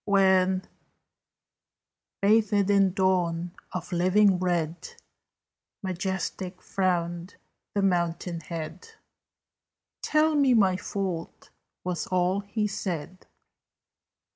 When, bathed in Dawn of living red, Majestic frowned the mountain head, "Tell me my fault," was all he said.